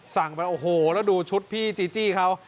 สั่งไปโอ้โหแล้วดูชุดพี่จีจี้เขา